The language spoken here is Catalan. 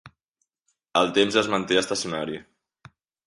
El temps es manté estacionari.